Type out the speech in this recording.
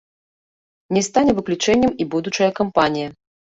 Не стане выключэннем і будучая кампанія.